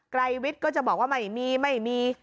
ไรวิทย์ก็จะบอกว่าไม่มีไม่มี